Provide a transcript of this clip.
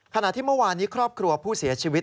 ขณะที่เมื่อวานนี้ครอบครัวผู้เสียชีวิต